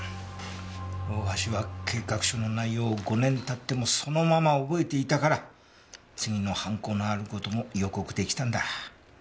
大橋は計画書の内容を５年経ってもそのまま覚えていたから次の犯行のある事も予告出来たんだ。